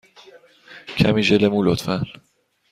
کمی ژل مو، لطفا.